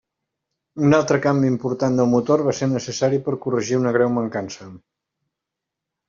Un altre canvi important del motor va ser necessari per corregir una greu mancança.